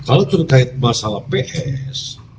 kalau terkait masalah ps